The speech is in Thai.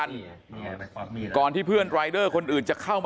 มันต้องการมาหาเรื่องมันจะมาแทงนะ